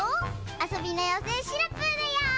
あそびのようせいシナプーだよ！